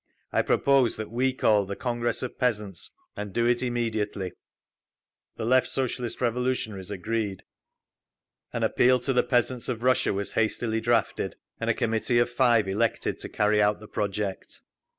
I propose that we call the Congress of Peasants, and do it immediately…." The Left Socialist Revolutionaries agreed. An Appeal to the Peasants of Russia was hastily drafted, and a committee of five elected to carry out the project.